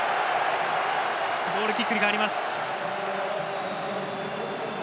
ゴールキックに変わります。